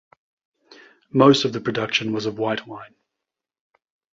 Most of the production was of white wine.